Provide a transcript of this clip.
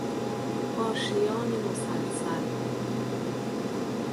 آشیان مسلسل